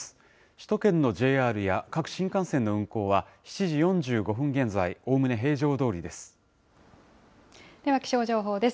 首都圏のＪＲや各新幹線の運行は、７時４５分現在、では、気象情報です。